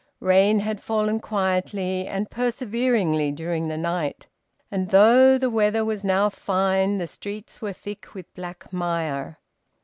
Rain had fallen quietly and perseveringly during the night, and though the weather was now fine the streets were thick with black mire.